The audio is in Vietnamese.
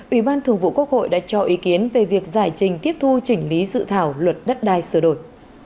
ủy ban thường vụ quốc hội đã cho ý kiến về việc giải trình tiếp thu chỉnh lý dự thảo luật đất đai sửa đổi